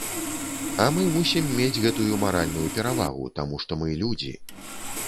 А мы мусім мець гэтую маральную перавагу, таму што мы людзі.